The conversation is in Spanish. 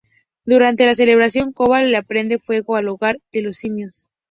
Durante la celebración, Koba le prende fuego al hogar de los simios.